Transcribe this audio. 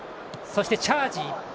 そして、チャージ。